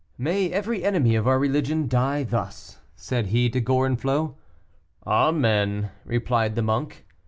"May every enemy of our religion die thus," said he to Gorenflot. "Amen," replied the monk.